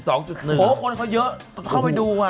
โอ้โหคนเขาเยอะเข้าไปดูอ่ะ